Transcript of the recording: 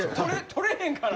取れへんからな。